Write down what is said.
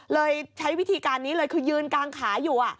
ใช้วิธีการนี้เลยคือยืนกางขาอยู่